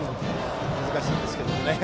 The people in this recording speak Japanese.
難しいですけどね。